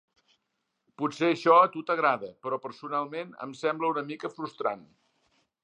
Potser això a tu t'agrada, però personalment em sembla una mica frustrant.